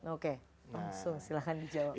oke langsung silahkan dijawab